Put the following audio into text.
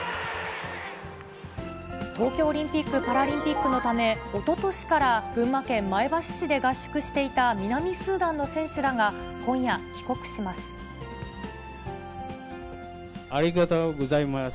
東京オリンピック・パラリンピックのため、おととしから群馬県前橋市で合宿していた南スーダンの選手らが、ありがとうございます。